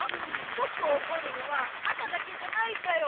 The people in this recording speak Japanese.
ぼくをおこるのは朝だけじゃないんだよ。